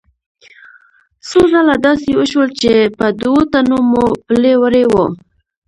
څو ځله داسې وشول چې په دوو تنو مو پلي وړي وو.